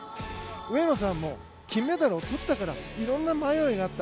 上野さんも金メダルをとってからいろんな迷いがあった。